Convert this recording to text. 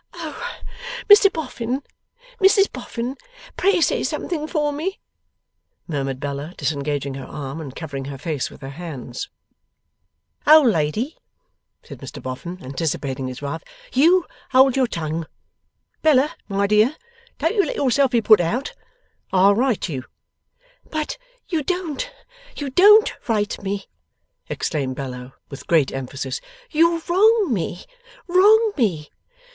'Oh, Mr Boffin! Mrs Boffin, pray say something for me!' murmured Bella, disengaging her arm, and covering her face with her hands. 'Old lady,' said Mr Boffin, anticipating his wife, 'you hold your tongue. Bella, my dear, don't you let yourself be put out. I'll right you.' 'But you don't, you don't right me!' exclaimed Bella, with great emphasis. 'You wrong me, wrong me!